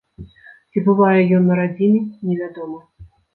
Ці бывае ён на радзіме, невядома.